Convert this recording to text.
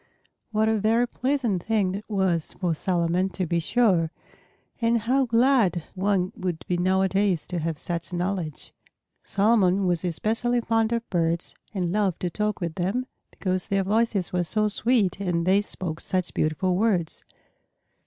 What a very pleasant thing that was for Solomon, to be sure! And how glad one would be nowadays to have such knowledge! Solomon was especially fond of birds, and loved to talk with them because their voices were so sweet and they spoke such beautiful words.